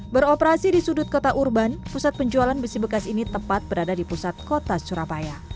beroperasi di sudut kota urban pusat penjualan besi bekas ini tepat berada di pusat kota surabaya